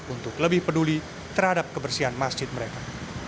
untuk lebih peduli terhadap kebersihan masjid mereka